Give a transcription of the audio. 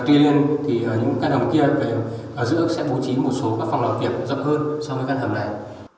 tuy nhiên thì những căn hầm kia ở giữa sẽ vô trí một số các phòng đặc biệt rộng hơn so với căn hầm này